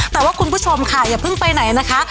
แต่ว่าคุณผู้ชมค่ะอย่าเพิ่งไปไหนนะคะ